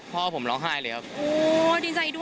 เพราะว่าผมร้องไห้เลยครับ